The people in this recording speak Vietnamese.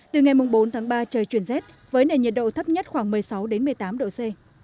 từ ngày bốn tháng ba trời chuyển rét với nền nhiệt độ thấp nhất khoảng một mươi sáu một mươi tám độ c